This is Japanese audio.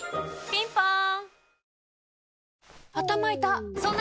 ピンポーン